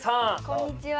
こんにちは。